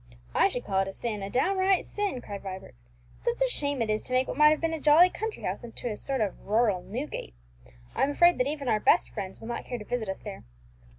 "I should call it a sin, a downright sin," cried Vibert. "Such a shame it is to make what might have been a jolly country house into a sort of rural Newgate! I'm afraid that even our best friends will not care to visit us there.